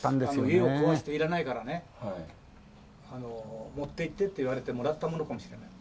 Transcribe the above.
「家を壊していらないからね“持っていって”って言われてもらったものかもしれない」